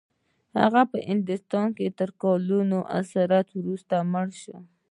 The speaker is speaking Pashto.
هغه په هندوستان کې تر کلونو اسارت وروسته مړ شو.